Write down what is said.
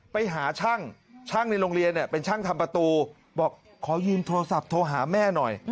ไปหาช่างช่างในโรงเรียนเป็นช่างทำประตูบอกขอยืมโทรศัพท์โทรหาแม่หน่อย